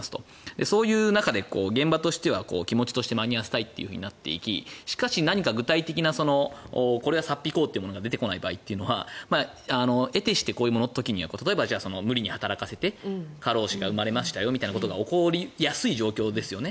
そういう中で現場としては気持ちとして間に合わせたいとなっていきしかし何か具体的なこれは差っ引くというのが出てこない場合はえてしてこういう場合は無理に働かせて過労死が生まれましたよみたいなことが起こりやすい状況ですよね。